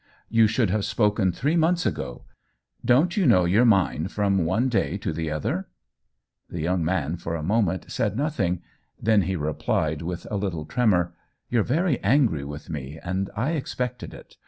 "You should have spoken three months ago. Don't you know your mind from one day to the other ?" The young man for a moment said noth ing. Then he replied, with a little tremor :" You're very angry with me, and I expect ed it.